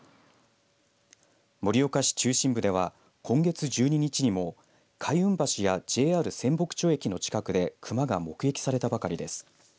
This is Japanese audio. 盛岡市中心部では今月１２日にも開運橋やＪＲ仙北町駅の近くでクマが目撃されたばかりです。